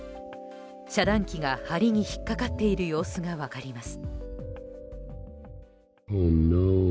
遮断機が梁に引っかかっている様子が分かります。